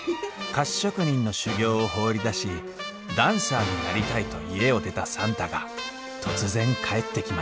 菓子職人の修業を放り出しダンサーになりたいと家を出た算太が突然帰ってきました